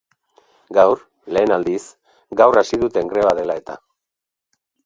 Gaur, lehen aldiz, gaur hasi duten greba dela eta.